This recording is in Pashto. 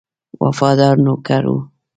وفادار نوکر وو.